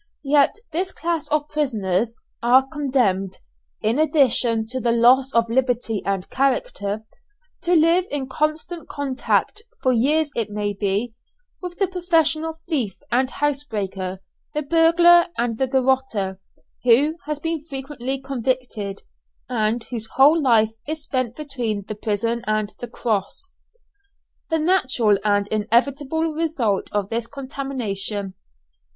Yet this class of prisoners are condemned, in addition to the loss of liberty and character, to live in constant contact, for years it may be, with the professional thief and house breaker, the burglar, and the garotter, who has been frequently convicted, and whose whole life is spent between the prison and the "cross." The natural and inevitable result of this is contamination.